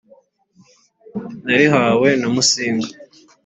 Narihawe na Musinga